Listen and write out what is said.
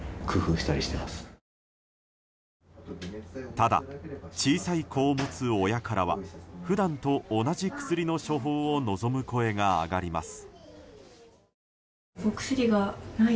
ただ、小さい子を持つ親からは普段と同じ薬の処方を望む声が上がります。